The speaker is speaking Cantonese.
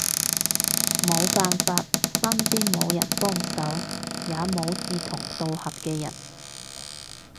無辦法，身邊無人幫手，也無志同道合嘅人